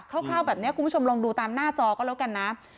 ร่าวแบบนี้คุณผู้ชมลองดูตามหน้าจอก็แล้วกันนะ